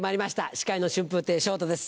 司会の春風亭昇太です